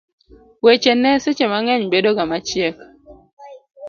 weche ne seche mang'eny bedo ga machiek